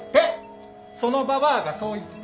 そのババアがそう言った。